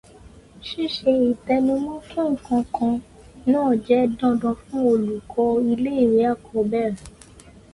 Ṣíṣe ìtẹnumọ́ fún nǹkan kan náà jẹ́ dandan fú ọlùkọ́ iléèwé àkọ́bẹ̀rẹ̀.